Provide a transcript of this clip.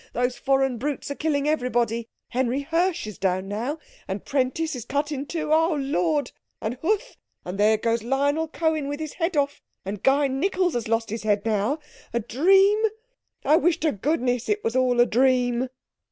those foreign brutes are killing everybody. Henry Hirsh is down now, and Prentice is cut in two—oh, Lord! and Huth, and there goes Lionel Cohen with his head off, and Guy Nickalls has lost his head now. A dream? I wish to goodness it was all a dream."